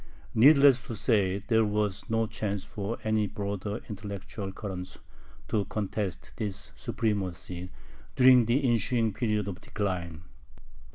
Needless to say there was no chance for any broader intellectual currents to contest this supremacy during the ensuing period of decline.